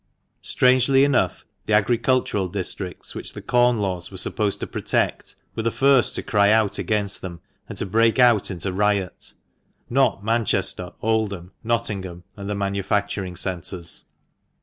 Strangely enough, the agricultural districts which the Corn Laws were supposed to protect, were the first to cry out against them, and to break out into riot — not Manchester, Oldham, Nottingham, and the manufacturing centres.